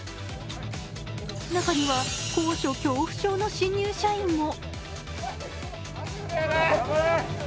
中には高所恐怖症の新入社員も。